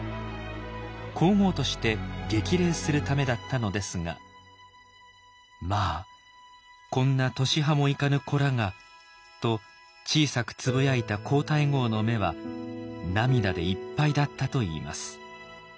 皇后として激励するためだったのですが「まあこんな年端も行かぬ子らが」と小さくつぶやいた皇太后の目は涙でいっぱいだったといいます。